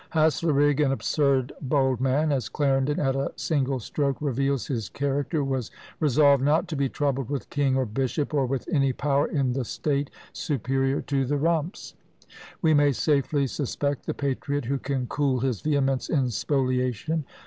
Haslerigg, "an absurd, bold man," as Clarendon, at a single stroke, reveals his character, was resolved not to be troubled with king or bishop, or with any power in the state superior to "the Rump's." We may safely suspect the patriot who can cool his vehemence in spoliation.